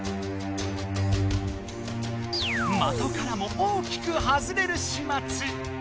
的からも大きく外れるしまつ。